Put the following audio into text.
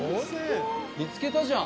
見つけたじゃん！